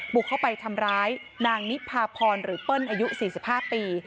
บุกเข้าไปทำร้ายนางนิพาพรหรือเปิ้ลอายุ๔๕ปี